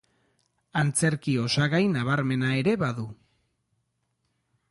Antzerki osagai nabarmena ere badu.